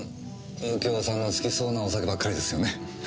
右京さんが好きそうなお酒ばっかりですよね。